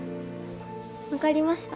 わかりました。